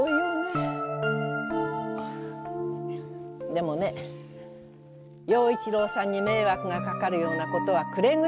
でもね陽一郎さんに迷惑が掛かるようなことはくれぐれもないように。